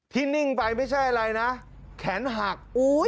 นิ่งไปไม่ใช่อะไรนะแขนหัก